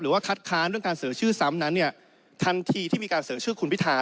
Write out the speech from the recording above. หรือว่าคัดค้านเรื่องการเสริมชื่อซ้ำนั้นเนี้ยทันทีที่มีการเสริมชื่อคุณวิทา